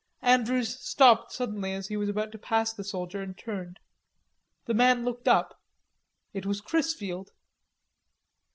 Andrews stopped suddenly as he was about to pass the soldier and turned. The man looked up. It was Chrisfield.